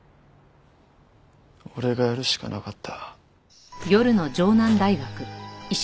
俺がやるしかなかった。